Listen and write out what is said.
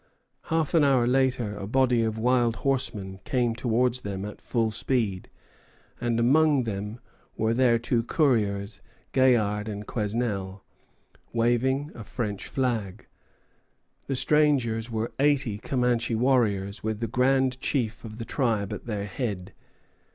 Half an hour later a body of wild horsemen came towards them at full speed, and among them were their two couriers, Gaillard and Quesnel, waving a French flag. The strangers were eighty Comanche warriors, with the grand chief of the tribe at their head.